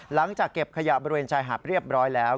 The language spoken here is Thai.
หลังจากเก็บขยะบริเวณชายหาดเรียบร้อยแล้ว